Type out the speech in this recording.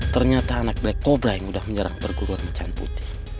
ternyata anak black cobra yang udah menyerang perguruan macem putih